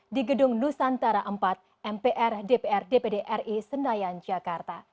di gedung nusantara empat mpr dpr dpd ri senayan jakarta